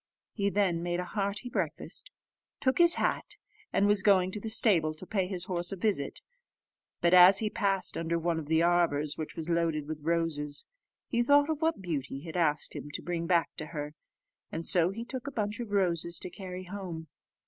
He then made a hearty breakfast, took his hat, and was going to the stable to pay his horse a visit; but as he passed under one of the arbours, which was loaded with roses, he thought of what Beauty had asked him to bring back to her, and so he took a bunch of roses to carry home.